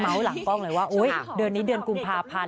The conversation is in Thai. ต้องมาถามดูว่าชุดนี้ดีไหมนะคะลูกถ่ายให้